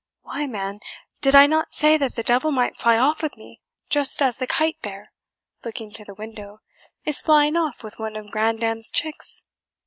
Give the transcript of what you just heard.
Why, man, did I not say that the devil might fly off with me, just as the kite there" (looking to the window) "is flying off with one of grandam's chicks?"